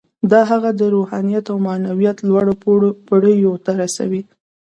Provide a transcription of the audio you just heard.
دا هغه د روحانیت او معنویت لوړو پوړیو ته رسوي